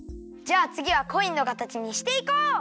じゃあつぎはコインのかたちにしていこう！